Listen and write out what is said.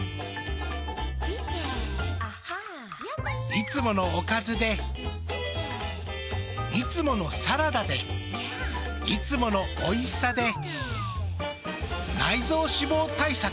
いつものおかずでいつものサラダでいつものおいしさで内臓脂肪対策。